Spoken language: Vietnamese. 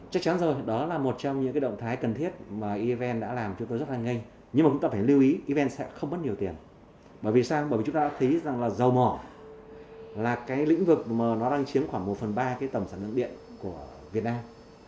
chắc chắn rồi đó là một trong những cái động thái cần thiết mà evn đã làm chúng tôi rất là nhanh nhưng mà chúng ta phải lưu ý evn sẽ không mất nhiều tiền bởi vì sao bởi vì chúng ta đã thấy rằng là dầu mỏ là cái lĩnh vực mà nó đang chiếm khoảng một phần ba cái tầm sản lượng điện của việt nam